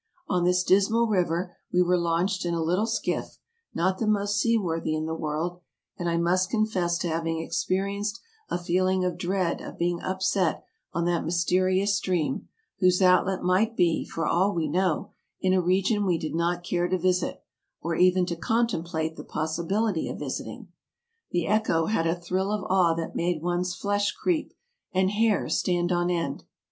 On this dismal river we were launched in a little skiff, not the most seaworthy in the world — and I must confess to having experienced a feeling of dread of being upset on that myste rious stream, whose outlet might be, for all we know, in a region we did not care to visit, or even to contemplate the possibility of visiting. The echo had a thrill of awe that made one's flesh creep and hair stand on end.